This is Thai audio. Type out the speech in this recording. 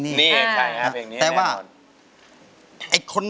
น้อยดูลายมอนมานี่ก่อน